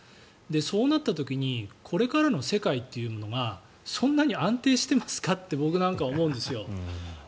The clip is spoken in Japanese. そうなった時にこれからの世界っていうものがそんなに安定してますかって僕なんかは思うんですよ。